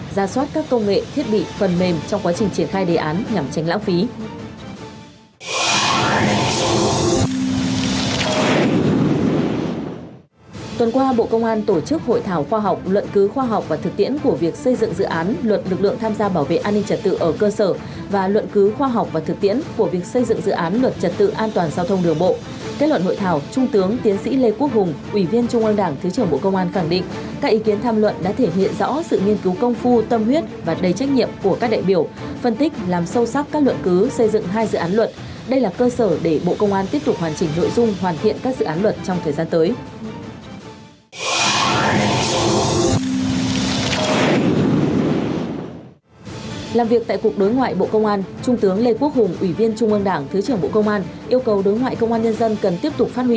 ra soát các công nghệ thiết bị phần mềm trong quá trình triển khai đề án nhằm tránh lãng phí